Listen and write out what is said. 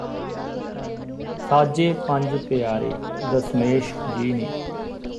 ਸਾਜੇ ਪੰਜ ਪਿਆਰੇ ਦਸਮੇਸ਼ ਜੀ ਨੇ